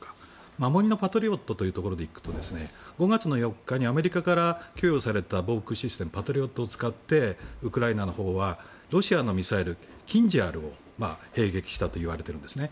守りのパトリオットというところで行くと５月４日にアメリカから供与された防空システムパトリオットを使ってウクライナのほうはロシアのミサイルキンジャールを迎撃したといわれてるんですね。